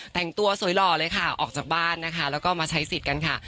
แต่งตัวสวยหล่อเลยค่ะออกจากบ้านนะคะแล้วก็มาใช้สิทธิ์กันค่ะ